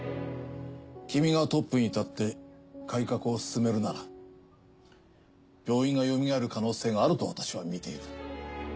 君がトップに立って改革を進めるなら病院がよみがえる可能性があると私は見ている。